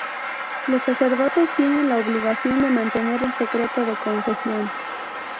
Los sacerdotes tienen la obligación de mantener el secreto de confesión.